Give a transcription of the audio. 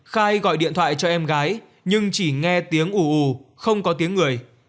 khai gọi điện thoại cho em gái nhưng chỉ nghe tiếng ủ ù không có tiếng người